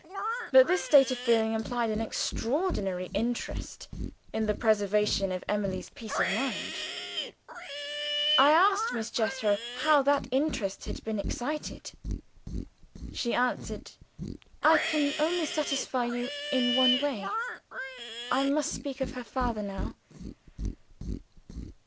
But this state of feeling implied an extraordinary interest in the preservation of Emily's peace of mind. I asked Miss Jethro how that interest had been excited? "She answered, 'I can only satisfy you in one way. I must speak of her father now.